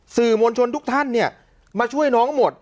สื่อมวลชนทุกท่านเนี่ยมาช่วยน้องหมด